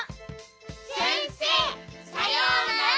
先生さようなら。